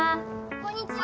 こんにちは！